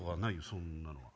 そんなのは。